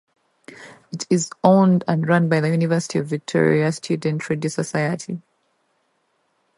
It is owned and run by the University of Victoria Student Radio Society.